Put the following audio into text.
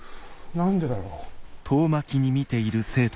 何でだろう。